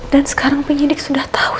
dan sekarang penyidik sudah tahu